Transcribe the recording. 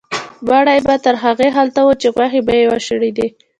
مړی به تر هغې هلته و چې غوښې به یې وشړېدې.